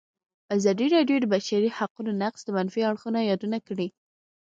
ازادي راډیو د د بشري حقونو نقض د منفي اړخونو یادونه کړې.